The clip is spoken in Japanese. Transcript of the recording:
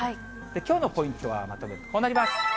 きょうのポイントはまとめるとこうこうなります。